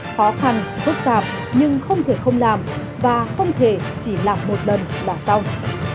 khó khăn phức tạp nhưng không thể không làm và không thể chỉ làm một lần là xong